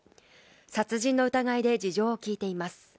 殺人の疑いで事情を聞いています。